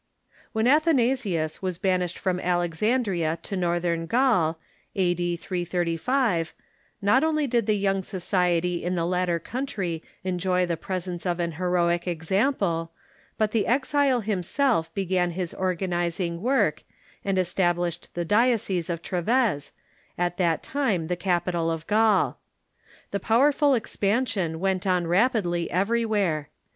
When Athanasius was banished from Alexandria to northern Gaul, A.D. 335, not only did the young society in the latter country enjoy the presence of an heroic example, but the exile himself began his organizing work, and established the diocese of Treves, at that time the capital of Gaul. The powerful ex pansion went on rapidly everywhere.